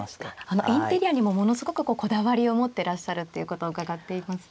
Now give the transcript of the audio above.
あのインテリアにもものすごくこうこだわりを持っていらっしゃるっていうことを伺っています。